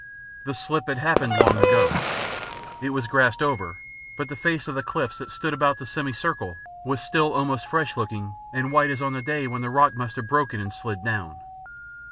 The slip had happened long ago. It was grassed over, but the face of the cliffs that stood about the semicircle was still almost fresh looking and white as on the day when the rock must have broken and slid down.